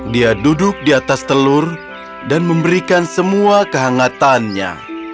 dia duduk di atas telur dan memberikan semua kehangatannya